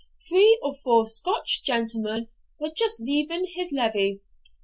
Three or four Scotch gentlemen were just leaving his levee.